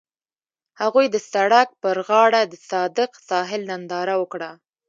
هغوی د سړک پر غاړه د صادق ساحل ننداره وکړه.